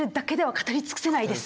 語り尽くせない。